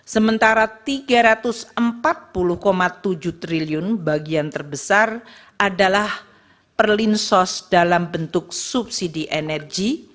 sementara rp tiga ratus empat puluh tujuh triliun bagian terbesar adalah perlinsos dalam bentuk subsidi energi